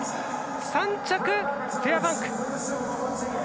３着、フェアバンク。